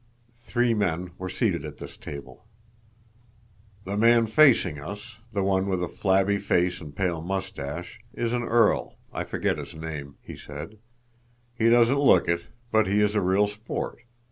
Three men were seated at this table. "The man facing us, the one with a flabby face and pale mustache, is an earl—I forget his name," he said. "He doesn't look it, but he is a real sport.